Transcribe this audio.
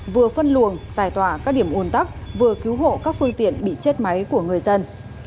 vừa phân luồng giải tỏa các điểm ồn tắc vừa cứu hộ các phương tiện bị chết máy của người dân